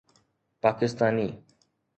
Pakistani